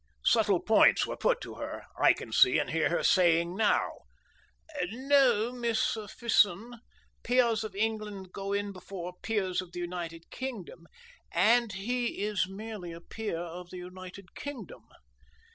Subtle points were put to her. I can see and hear her saying now, "No, Miss Fison, peers of England go in before peers of the United Kingdom, and he is merely a peer of the United Kingdom."